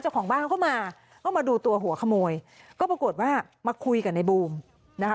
เจ้าของบ้านเขาก็มาก็มาดูตัวหัวขโมยก็ปรากฏว่ามาคุยกับในบูมนะคะ